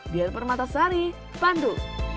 di alper matasari pandu